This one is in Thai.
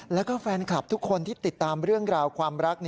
แล้วก็แฟนคลับทุกคนที่ติดตามเรื่องราวความรัก